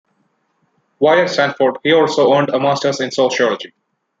While at Stanford he also earned a Masters in Sociology.